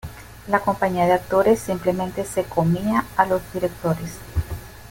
La compañía de actores simplemente se "comía" a los directores.